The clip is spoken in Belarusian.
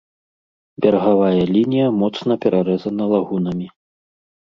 Берагавая лінія моцна перарэзана лагунамі.